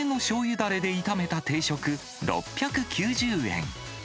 だれで炒めた定食６９０円。